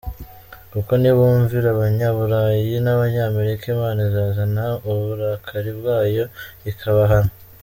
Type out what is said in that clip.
Kuko nibumvira abanyaburayi n’abanyamerika Imana izazana uburakari bwayo ikabahana.